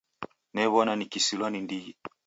New'ona nikisilwa ni ndighi.